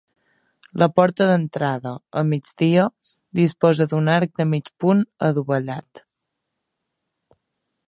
La porta d'entrada, a migdia, disposa d'un arc de mig punt adovellat.